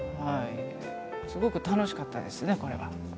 すごく楽しかったですね、これは。